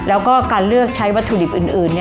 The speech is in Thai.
แล้วก็การเลือกใช้วัตถุดิบอื่น